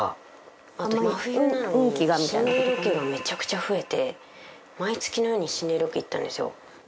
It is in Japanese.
あと真冬なのに心霊ロケがめちゃくちゃ増えて毎月のように心霊ロケ行ったんですよ。